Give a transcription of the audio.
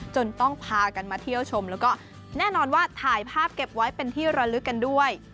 จนต้องพากันมาเที่ยวชมแล้วก็แน่นอนว่าถ่ายภาพเก็บไว้เป็นที่ระลึกกันด้วย